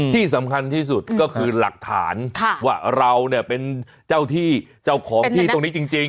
ที่สำคัญที่สุดก็คือหลักฐานว่าเราเนี่ยเป็นเจ้าที่เจ้าของที่ตรงนี้จริง